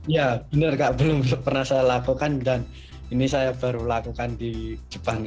ya benar kak belum pernah saya lakukan dan ini saya baru lakukan di jepang